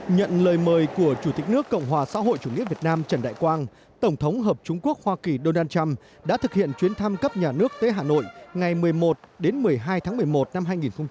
nhận lời mời của chủ tịch nước cộng hòa xã hội chủ nghĩa việt nam trần đại quang tổng thống hợp chúng quốc hoa kỳ donald trump đã thực hiện chuyến thăm cấp nhà nước tới hà nội ngày một mươi một đến một mươi hai tháng một mươi một năm hai nghìn một mươi chín